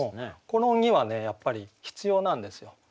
この「に」はねやっぱり必要なんですよ。